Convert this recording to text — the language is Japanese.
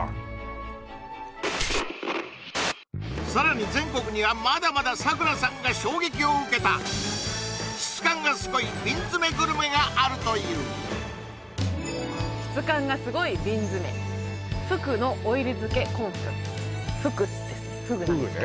さらに全国にはまだまだ咲良さんが衝撃を受けた質感がすごい瓶詰グルメがあるという「ふく」です